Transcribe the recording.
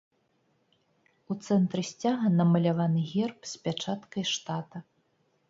У цэнтры сцяга намаляваны герб з пячаткай штата.